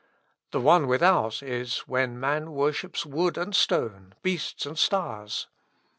"The one without is, when man worships wood and stone, beasts and stars.